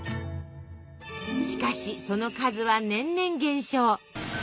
しかしその数は年々減少。